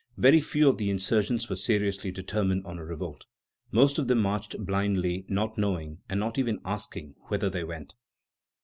Very few of the insurgents were seriously determined on a revolt. Most of them marched blindly, not knowing, and not even asking, whither they went.